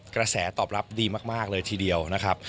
กระแสตอบรับดีมากเลยทีเดียวนะครับ